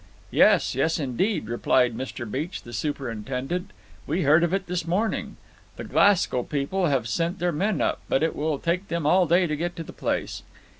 "Yes, yes, indeed," replied Mr. Beech, the superintendent. "We heard of it this morning. The Glasgow people have sent their men up, but it will take them all day to get to the place.